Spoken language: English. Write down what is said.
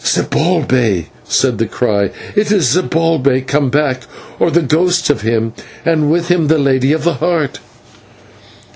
"Zibalbay!" said the cry. "It is Zibalbay come back, or the ghost of him, and with him the Lady of the Heart!"